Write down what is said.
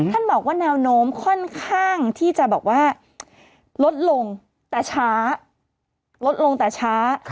ท่านบอกว่าแนวโน้มค่อนข้างที่จะลดลงแต่ช้า